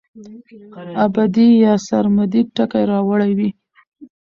ابدي يا سرمدي ټکي راوړي وے